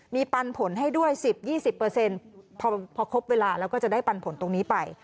มีปันผลให้ด้วย๑๐๒๐พอครบเวลาแล้วก็จะได้ปันผลตรงนี้ไป